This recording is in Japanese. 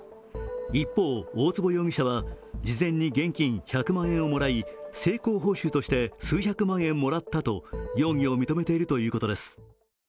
一方、大坪容疑者は事前に現金１００万円をもらい、成功報酬として数百間年もらったと容疑を認めているということです。